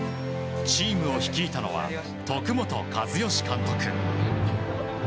チームを率いたのは徳本一善監督。